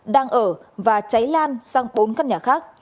đang ở và cháy lan sang bốn căn nhà khác